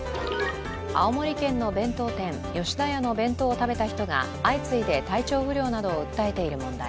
青森県の弁当店、吉田屋の弁当を食べた人が相次いで体調不良などを訴えている問題。